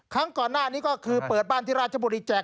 ครั้งก่อนหน้านี้ก็คือเปิดบ้านที่ราชบุรีแจก